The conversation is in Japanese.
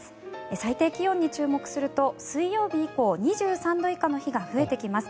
最低気温に注目すると水曜日以降、２３度以下の日が増えてきます。